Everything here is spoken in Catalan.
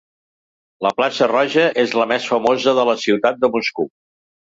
La Plaça Roja és la més famosa de la ciutat de Moscou.